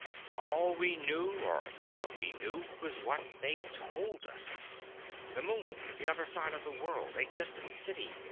All we knew or thought we knew was what they told us. The moon, the other side of the world, a distant city